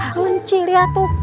kelenci lihat tuh